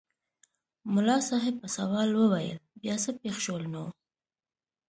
ملا صاحب په سوال وویل بیا څه پېښ شول نو؟